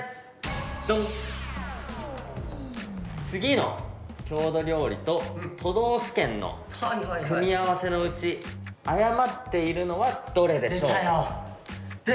次の郷土料理と都道府県の組み合わせのうち誤っているのはどれでしょう？